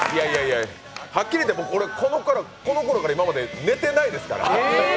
はっきり言って、このころから今まで寝てないですから。